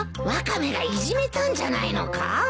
ワカメがいじめたんじゃないのか？